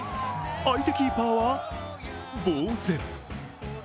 相手キーパーはぼう然。